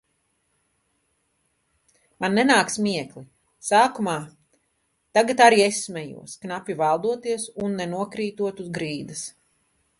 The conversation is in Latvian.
Man nenāk smiekli. Sākumā. Tagad arī es smejos, knapi valdoties un nenokrītot uz grīdas.